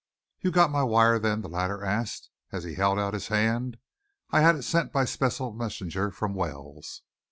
"You got my wire, then?" the latter asked, as he held out his hand. "I had it sent by special messenger from Wells."